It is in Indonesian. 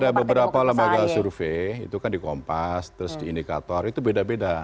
ada beberapa lembaga survei itu kan di kompas terus di indikator itu beda beda